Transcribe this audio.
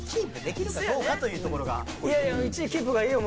いやいや１位キープがいいよ